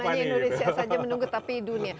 hanya indonesia saja menunggu tapi dunia